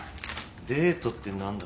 デートって何だ？